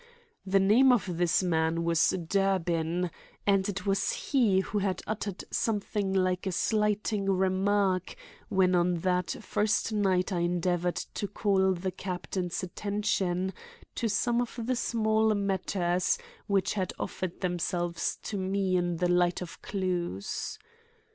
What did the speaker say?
The name of this man was Durbin, and it was he who had uttered something like a slighting remark when on that first night I endeavored to call the captain's attention to some of the small matters which had offered themselves to me in the light of clues.